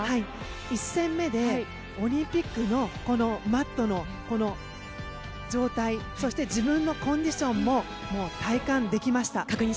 １戦目でオリンピックのマットの状態そして自分のコンディションも体感できました。